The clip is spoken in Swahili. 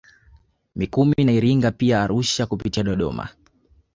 Mikumi na Iringa pia Arusha kupitia Dodoma